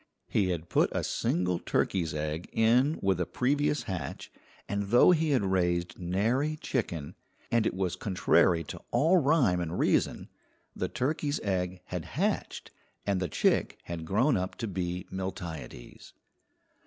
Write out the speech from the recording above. He had put a single turkey's egg in with a previous hatch, and though he had raised nary chicken, and it was contrary to all rhyme and reason, the turkey's egg had hatched and the chick had grown up to be Miltiades.